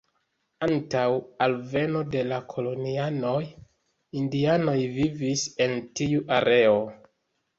Antaŭ alveno de la kolonianoj indianoj vivis en tiu areo.